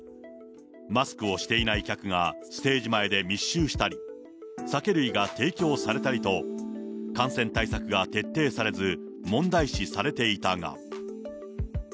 マスクをしていない客がステージ前で密集したり、酒類が提供されたりと、感染対策が徹底されず、問題視されていたが。